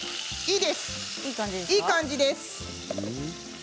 いい感じです。